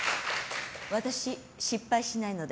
私、失敗しないので。